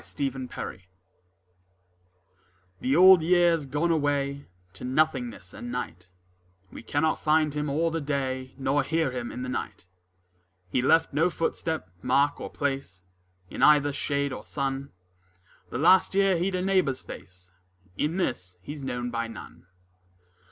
The Old Year The Old Year's gone away To nothingness and night: We cannot find him all the day Nor hear him in the night: He left no footstep, mark or place In either shade or sun: The last year he'd a neighbour's face, In this he's known by none.